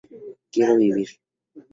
Quiero vivir.